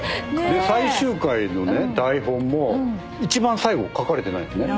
で最終回のね台本も一番最後書かれてないんですね。